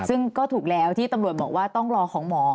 ซึ่งก็ถูกแล้วที่ตำรวจบอกว่าต้องรอของหมอ